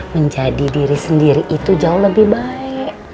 menjadi diri sendiri itu jauh lebih baik